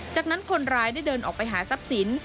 จากนั้นคนร้ายได้เดินออกไปหาทรัพย์สิน